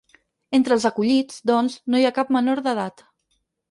Entre els acollits, doncs, no hi ha cap menor d’edat.